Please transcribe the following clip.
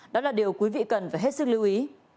đó là điều quý vị cần phải hết sức lưu ý